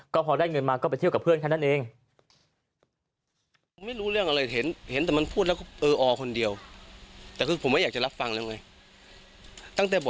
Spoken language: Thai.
ก็พอได้เงินมาก็ไปเที่ยวกับเพื่อนแค่นั้นเอง